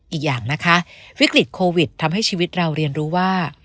อีกอย่างนะคะวิกฤตโควิดทำให้ชีวิตเราเรียนรู้ว่า